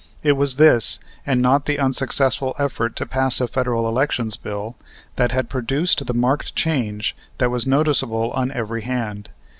It was this, and not the unsuccessful effort to pass a Federal Elections Bill, that had produced the marked change that was noticeable on every hand.